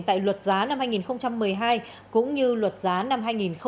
tại luật giá năm hai nghìn một mươi hai cũng như luật giá năm hai nghìn hai mươi ba